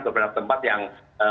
beberapa tempat yang